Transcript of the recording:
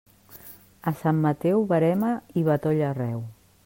A Sant Mateu, verema i batoll arreu.